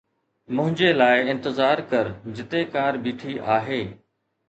منهنجي لاءِ انتظار ڪر جتي ڪار بيٺي آهي